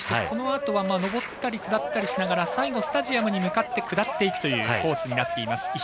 このあとは上ったり下ったりしながら最後スタジアムに向かって下っていくというコースになっています。